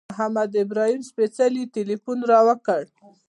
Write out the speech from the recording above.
محمد ابراهیم سپېڅلي تیلفون را وکړ.